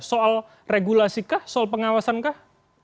soal regulasi kah soal pengawasan kah